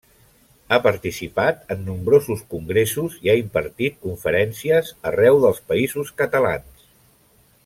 Ha participat en nombrosos congressos i ha impartit conferències arreu dels Països Catalans.